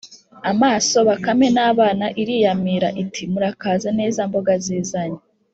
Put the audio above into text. amaso Bakame n’abana iriyamira iti: “Murakaza neza mboga zizanye!